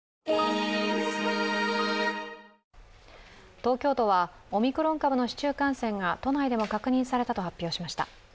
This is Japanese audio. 東京都はオミクロン株の市中感染が都内でも確認されたと発表しました。